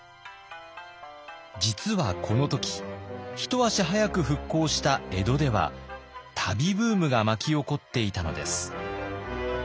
実はこの時一足早く復興した江戸では旅ブームが巻き起こっていたのです。